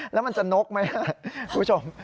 แล้วมันจะนกไหมครับคุณผู้ชม